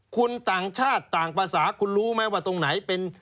คุณต่างชาติต่างภาษาคุณรู้ไหมว่าตรงไหนเป็น